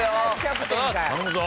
頼むぞ。